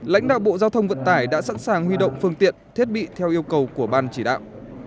lãnh đạo bộ giao thông vận tải đã sẵn sàng huy động phương tiện thiết bị theo yêu cầu của ban chỉ đạo